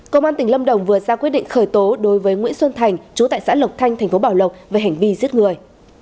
công an tỉnh lâm đồng vừa ra quyết định khởi tố đối với nguyễn xuân thành chú tại xã lộc thanh thành phố bảo lộc về hành vi giết người